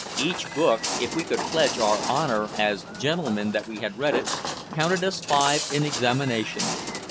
Each book, if we could pledge our honor as gentlemen that we had read it, counted us five in examination.